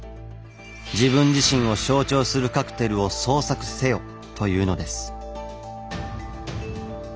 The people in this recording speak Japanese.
「自分自身を象徴するカクテルを創作せよ」というのです。